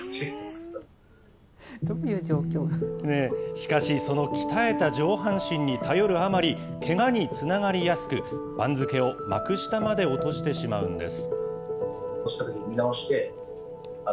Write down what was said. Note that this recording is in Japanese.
しかしその鍛えた上半身に頼るあまり、けがにつながりやすく、番付を幕下まで落としてしまうんです。